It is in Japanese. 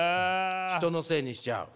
人のせいにしちゃう？